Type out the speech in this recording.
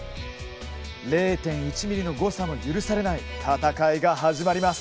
０．１ｍｍの誤差も許されない戦いが始まります。